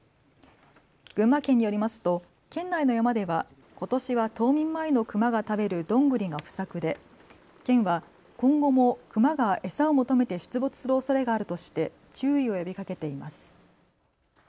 群馬県によりますと県内の山ではことしは冬眠前のクマが食べるドングリが不作で県は今後もクマが餌を求めて出没するおそれがあるとして注意を呼びかけていいます。